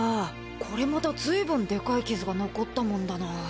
これまたずいぶんでかい傷が残ったもんだな。